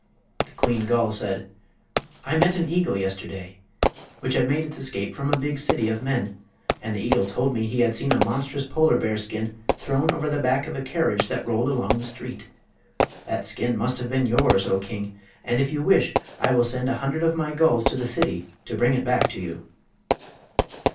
The queen gull said: "I met an eagle yesterday, which had made its escape from a big city of men. And the eagle told me he had seen a monstrous polar bear skin thrown over the back of a carriage that rolled along the street. That skin must have been yours, oh king, and if you wish I will sent an hundred of my gulls to the city to bring it back to you."